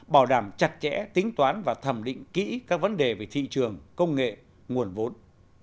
bảo đảm chặt chẽ tính toán và thẩm định kỹ các vấn đề về thị trường công nghệ nguồn vốn